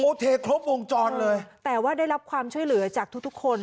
เทครบวงจรเลยแต่ว่าได้รับความช่วยเหลือจากทุกทุกคน